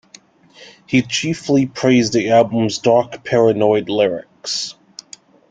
He chiefly praised the album's dark, paranoid lyrics.